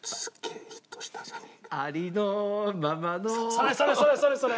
それそれそれそれそれ！